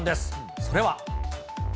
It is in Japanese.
それは。